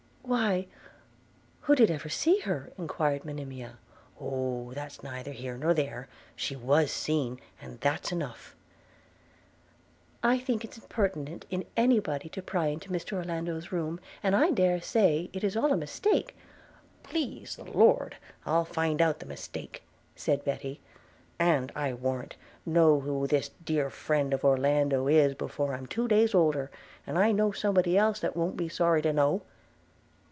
'Why, who did ever see her?' enquired Monimia. 'Oh! that's neither here nor there – she was seen, and that's enough.' 'I think it's impertinent in any body to pry into Mr Orlando's room, and I dare say it is all a mistake –' 'Please the Lord, I'll find out the mistake,' said Betty, 'and, I warrant, know who this dear friend of Orlando's is before I'm two days older – and I know somebody else that won't be sorry to know.'